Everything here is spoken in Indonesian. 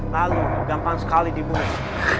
lalu gampang sekali dibunuh